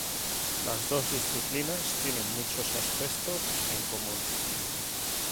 Las dos disciplinas tienen muchos aspectos en común.